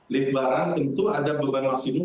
lift barang tentu ada beban maksimum